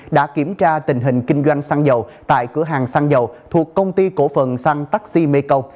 đã kiểm tra tình hình kinh doanh xăng dầu tại cửa hàng xăng dầu thuộc công ty cổ phần xăng taxi mekong